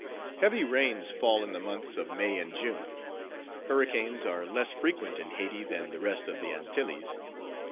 Heavy rains fall in the months of May and June. Hurricanes are less frequent in Hayti than the rest of the Antilles.